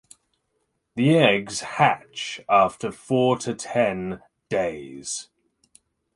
The eggs hatch after four to ten days.